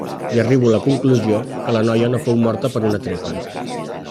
I arribo a la conclusió que la noia no fou morta per una trepa.